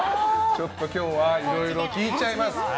今日はいろいろ聞いちゃいます。